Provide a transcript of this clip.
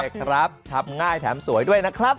ใช่ครับทำง่ายแถมสวยด้วยนะครับ